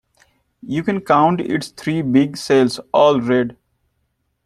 You can count its three big sails — all red.